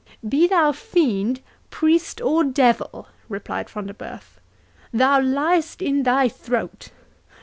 "Be thou fiend, priest, or devil," replied Front de Bœuf, "thou liest in thy throat!